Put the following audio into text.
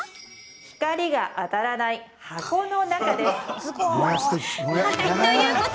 光が当たらない箱の中です。